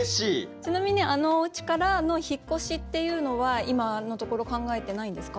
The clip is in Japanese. ちなみにあのおうちからの引っ越しっていうのは今のところ考えてないんですか？